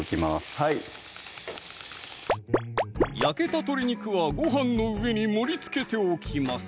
はい焼けた鶏肉はご飯の上に盛りつけておきます